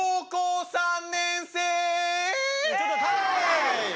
ちょっとタイム！